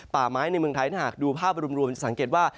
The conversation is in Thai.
ป่าไม้ในเมืองไทยถ้าหากดูภาพรวมจะสังเกตว่า